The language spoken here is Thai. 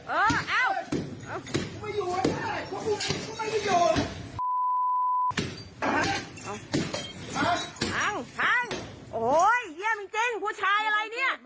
โอ้โหเยี่ยมจริงผู้ชายอะไรเนี่ย